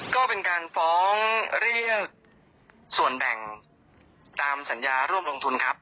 ก็เป็นการฟ้องเรียกส่วนแบ่งตามสัญญาร่วมลงทุนครับ